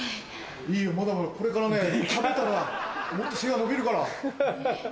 まだまだこれからね食べたらもっと背が伸びるから。